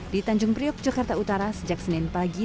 di tanjung priok jakarta utara sejak senin pagi